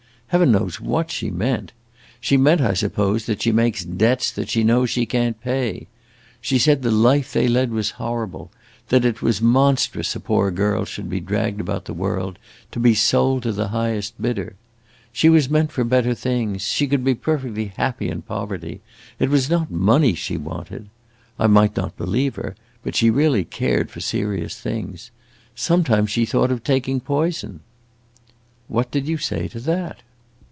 Heaven knows what she meant. She meant, I suppose, that she makes debts that she knows she can't pay. She said the life they led was horrible; that it was monstrous a poor girl should be dragged about the world to be sold to the highest bidder. She was meant for better things; she could be perfectly happy in poverty. It was not money she wanted. I might not believe her, but she really cared for serious things. Sometimes she thought of taking poison!" "What did you say to that?"